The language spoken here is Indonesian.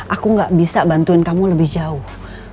aku gak bisa bantuin kamu lebih jauh